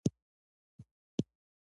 که يې توان د حج رسېږي حج هم وکړي پسې بيا